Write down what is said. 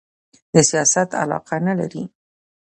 د سیاست علاقه نه لري